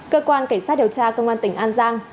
cơ quan cảnh sát điều tra công an tỉnh an giang